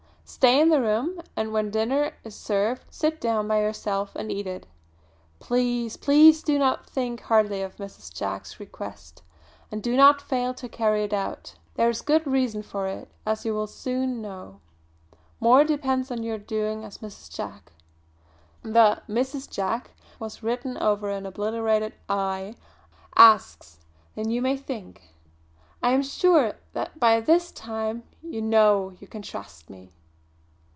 Stay in the room, and when dinner is served sit down by yourself and eat it. Please, please do not think hardly of Mrs. Jack's request; and do not fail to carry it out. There is good reason for it, as you will very soon know. More depends on your doing as Mrs. Jack" the "Mrs. Jack" was written over an obliterated "I" "asks than you may think. I am sure that by this time you know you can trust me.